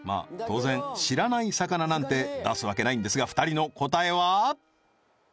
当然知らない魚なんて出すわけないんですが２人の答えは？